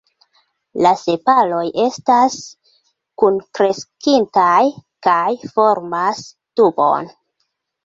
La sepaloj estas kunkreskintaj kaj formas tubon.